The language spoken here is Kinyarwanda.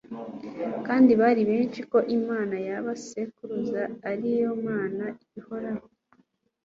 kandi bari bemey ko Imana ya ba sekuruza ari yo Mana ihoraho